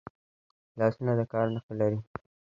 لاسونه د کار نښې لري